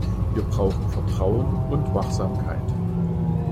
Wir brauchen Vertrauen und Wachsamkeit.